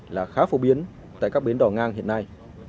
là khá phổ biến tại các bến đỏ ngang hiện nay